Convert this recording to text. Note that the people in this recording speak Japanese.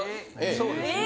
そうですね。